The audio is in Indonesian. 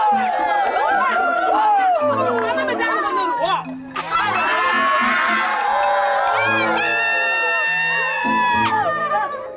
mulut mati kak traktor